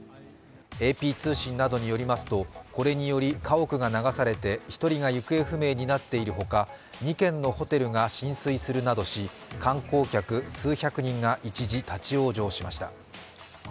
ＡＰ通信などによりますと、これにより家屋が流されて１人が行方不明になっているほか２軒のホテルが浸水するなどし観光客数百人が一時、立往生しました。